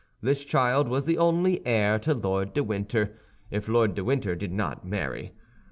This child was the only heir to Lord de Winter, if Lord de Winter did not marry.